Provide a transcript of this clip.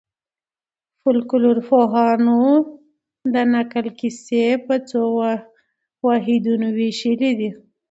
فولکلورپوهانو د نکل کیسې په څو واحدونو وېشلي دي.